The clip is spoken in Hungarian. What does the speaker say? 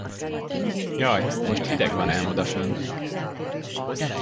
Jaj, most hideg van ám odafönn!